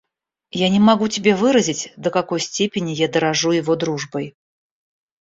Я не могу тебе выразить, до какой степени я дорожу его дружбой.